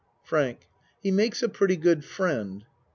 FRANK He makes a pretty good friend.